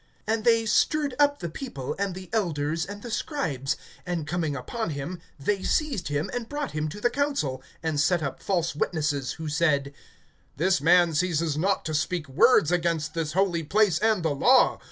(12)And they stirred up the people, and the elders, and the scribes; and coming upon him, they seized him, and brought him to the council, (13)and set up false witnesses, Who said: This man ceases not to speak words against this holy place, and the law.